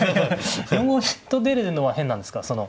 ４五銀と出るのは変なんですか。